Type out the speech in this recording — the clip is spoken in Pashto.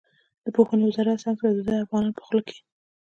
د پوهنې وزارت څنګ ته د ده افغانان په خوله کې.